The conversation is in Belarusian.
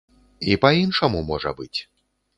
І па-іншаму можа быць.